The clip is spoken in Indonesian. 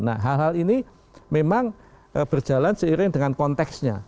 nah hal hal ini memang berjalan seiring dengan konteksnya